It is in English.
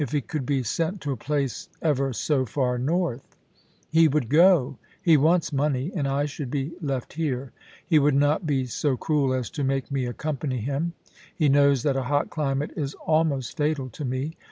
he could be sent to a place ever so far north. ... He would go — he wants money — and I should be left here. He would not be so cruel as to make me accompany him ; he knows that a hot climate is almost fatal to me.